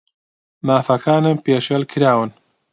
مافەکانم پێشێل کراون.